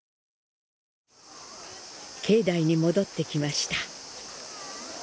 境内に戻ってきました。